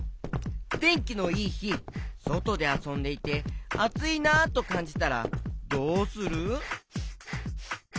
てんきのいいひそとであそんでいてあついなとかんじたらどうする？